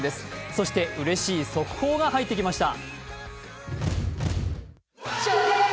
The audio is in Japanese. そしてうれしい速報が入ってきました。